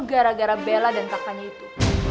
gara gara bella dan pakannya itu